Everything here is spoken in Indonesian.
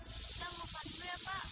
aku mau part dulu ya pak